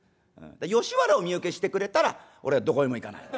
吉原を身請けしてくれたら俺はどこへも行かない」。